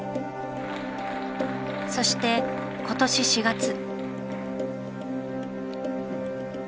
そして今年４月。